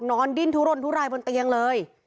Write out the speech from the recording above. ดิ้นทุรนทุรายบนเตียงเลย